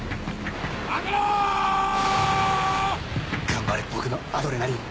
頑張れ僕のアドレナリン。